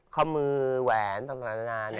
ข้อมือแหวนต่างนานา